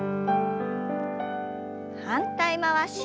反対回し。